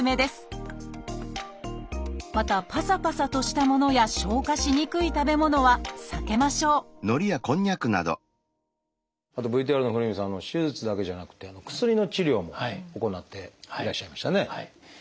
またパサパサとしたものや消化しにくい食べ物は避けましょうＶＴＲの古海さん手術だけじゃなくて薬の治療も行っていらっしゃいましたね。